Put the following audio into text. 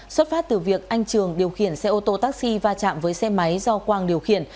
xuất phát từ việc anh trường điều khiển xe ô tô taxi va chạm với xe máy do quang điều khiển